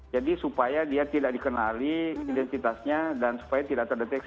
jadi supaya dia tidak dikenali identitasnya dan supaya tidak terdeteksi